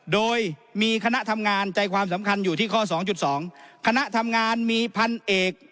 โดยมีคณะทำงานใจความสำคัญอยู่ที่ข้อสองจุดสองคณะทำงานมีพันเอก